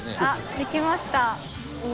できました！